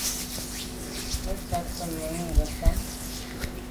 Me tsha’t’o me Ngasam.